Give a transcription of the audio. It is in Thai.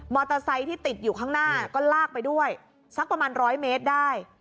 มอเตอร์ไซต์ที่ติดอยู่ข้างหน้าก็ลากไปด้วยสักประมาณ๑๐๐เมตรได้